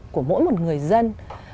của mỗi một người dân